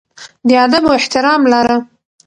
د ادب او احترام لاره.